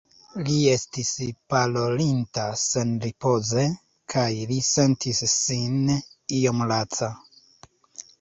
Li estis parolinta senripoze, kaj li sentis sin iom laca.